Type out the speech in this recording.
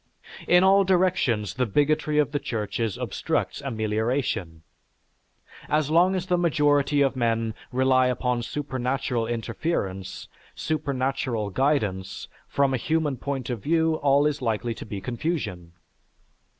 In all directions the bigotry of the churches obstructs amelioration ... as long as the majority of men rely upon supernatural interference, supernatural guidance, from a human point of view all is likely to be confusion....